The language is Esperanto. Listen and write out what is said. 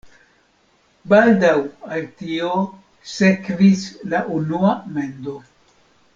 Baldaŭ al tio sekvis la unua mendo.